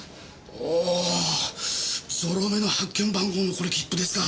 ゾロ目の発券番号のこれ切符ですか！